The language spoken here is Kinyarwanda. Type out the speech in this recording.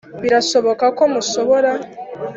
birashoboka ko mushobora